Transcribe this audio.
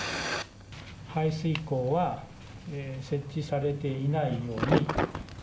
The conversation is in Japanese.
排水溝は設置されていないよ